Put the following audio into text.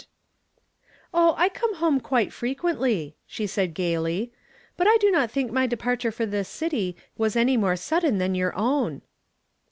litT "Oh, I come home quite freciuently," she said gayly ;" but I do not think my departure for this city was any more sudden than your own."